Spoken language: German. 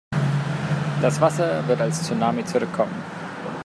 Das Wasser wird als Tsunami zurückkommen.